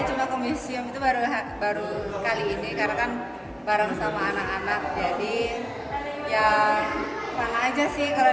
cuma ke museum itu baru baru kali ini karena kan bareng sama anak anak jadi ya mana aja sih kalau